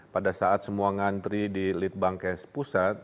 pada saat semua ngantri di litbangkes pusat